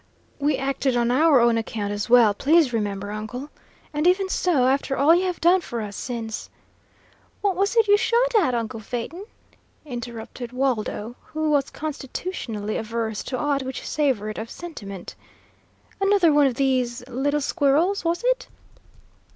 "We acted on our own account, as well, please remember, uncle. And even so, after all you have done for us since " "What was it you shot at, uncle Phaeton?" interrupted Waldo, who was constitutionally averse to aught which savoured of sentiment. "Another one of these little squirrels, was it?"